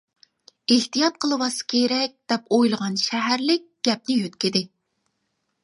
«ئېھتىيات قىلىۋاتسا كېرەك» دەپ ئويلىغان شەھەرلىك گەپنى يۆتكىدى.